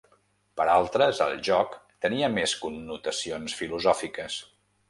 Per altres, el joc tenia més connotacions filosòfiques.